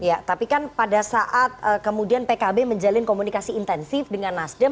ya tapi kan pada saat kemudian pkb menjalin komunikasi intensif dengan nasdem